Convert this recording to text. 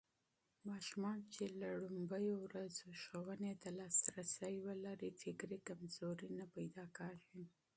ماشومان چې له لومړيو ورځو ښوونې ته لاسرسی ولري، فکري کمزوري نه پيدا کېږي.